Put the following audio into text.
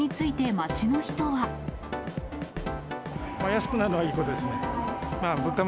安くなるのはいいことですね。